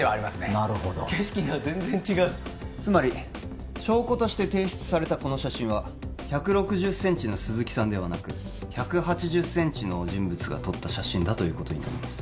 なるほど景色が全然違うつまり証拠として提出されたこの写真は１６０センチの鈴木さんではなく１８０センチの人物が撮った写真だということになります